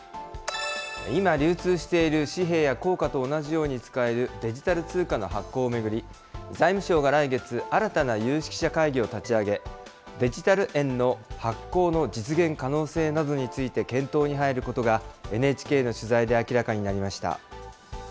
今、流通している紙幣や硬貨と同じように使えるデジタル通貨の発行を巡り、財務省が来月、新たな有識者会議を立ち上げ、デジタル円の発行の実現可能性などについて検討に入ることが、ＮＨＫの取材で明らかになりました。